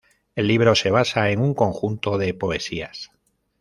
El libro se basa en un conjunto de poesías.